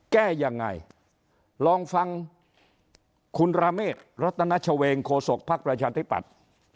แก้ยังไงลองฟังคุณราเมฆรัตนชเวงโคศกภักดิ์ประชาธิปัตย์